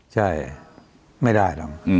ใช่ไม่ได้หรอก